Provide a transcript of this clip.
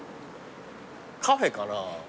カフェかな？